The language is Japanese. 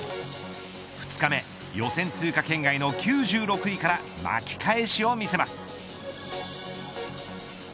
２日目予選通過圏外の９６位から巻き返しを見せます。